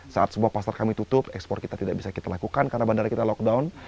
saat semua pasar kami tutup ekspor kita tidak bisa kita lakukan karena bandara kita lockdown